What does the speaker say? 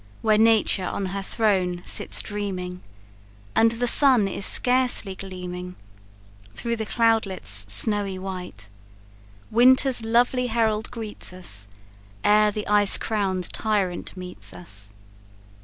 Where nature on her throne sits dreaming, And the sun is scarcely gleaming Through the cloudlet's snowy white, Winter's lovely herald greets us, Ere the ice crown'd tyrant meets us.